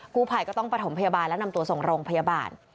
ผู้ภัยก็ต้องประถมพยาบาลและนำตัวส่งโรงพยาบาล